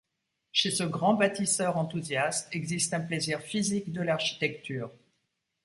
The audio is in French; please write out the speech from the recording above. Chez ce grand bâtisseur enthousiaste existe un plaisir physique de l'architecture.